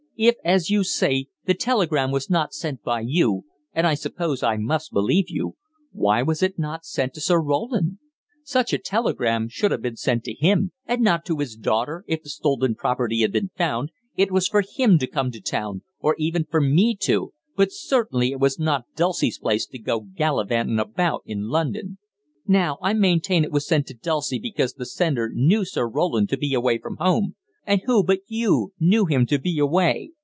If, as you say, the telegram was not sent by you and I suppose I must believe you why was it not sent to Sir Roland? Such a telegram should have been sent to him, and not to his daughter if the stolen property had been found, it was for him to come to Town, or even for me to, but certainly it was not Dulcie's place to go gallivanting about in London. Now, I maintain it was sent to Dulcie because the sender knew Sir Roland to be away from home and who, but you, knew him to be away?